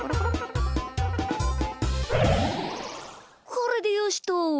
これでよしっと。